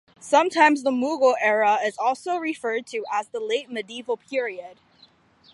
Sometimes, the Mughal era is also referred to as the 'late medieval' period.